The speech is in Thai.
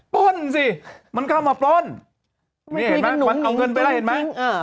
ปล้นสิมันเข้ามาปล้นนี่เห็นไหมมันเอาเงินไปแล้วเห็นไหม